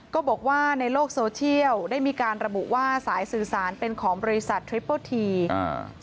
ก็บอกว่าในโลกโซเชียลได้มีการระบุว่าสายสื่อสารเป็นของบริษัททริปเปอร์ทีอ่า